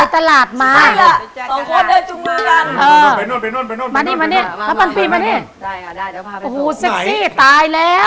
ทำอะไรเนี่ย